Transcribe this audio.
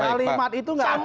kalimat itu nggak ada